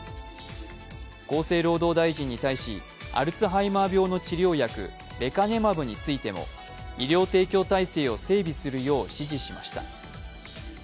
厚生労働大臣に対し、アルツハイマー病の治療薬レカネマブについても医療提供体制を整備するよう指示しました。